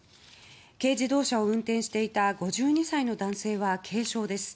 軽自動車を運転していた５２歳の男性は軽傷です。